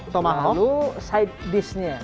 tomahawk lalu side dish nya